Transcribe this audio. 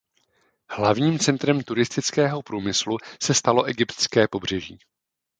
Hlavním centrem turistického průmyslu se stalo egyptské pobřeží.